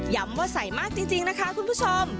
ว่าใส่มากจริงนะคะคุณผู้ชม